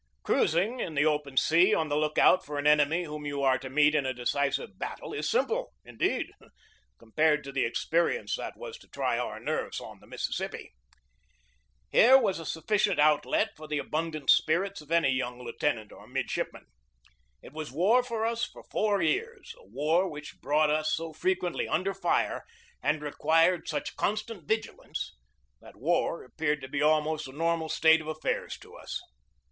Cruising in the open sea on the lookout for an enemy whom you are to meet in a decisive battle is simple, indeed, compared to the experience that was to try our nerves on the Mississippi. Here was a sufficient outlet for the abundant spirits of any young lieutenant or midshipman. It was war for us for four years, a war which brought us so fre quently under fire, and required such constant vigil ance, that war appeared to be almost a normal state of affairs to us.